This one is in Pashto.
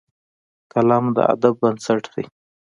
قلم د ادب بنسټ دی